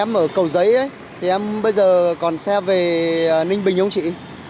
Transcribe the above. ở cầu giấy thì em bây giờ còn xe về ninh bình không chị